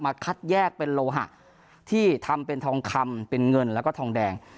คัดแยกเป็นโลหะที่ทำเป็นทองคำเป็นเงินแล้วก็ทองแดง